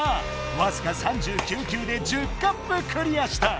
わずか３９球で１０カップクリアした。